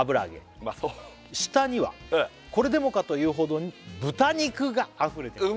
うまそう「下にはこれでもかというほどに豚肉があふれています」